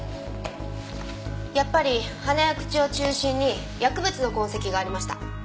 やっぱり鼻や口を中心に薬物の痕跡がありました。